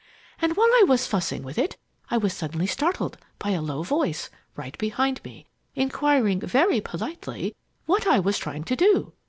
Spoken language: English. _ And while I was fussing with it, I was suddenly startled by a low voice, right behind me, inquiring very politely what I was trying to do!